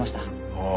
ああ。